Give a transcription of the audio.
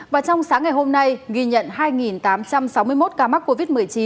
và trong sáng ngày hôm nay ghi nhận hai tám trăm sáu mươi một ca mắc covid một mươi chín